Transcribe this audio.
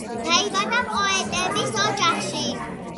დაიბადა პოეტების ოჯახში.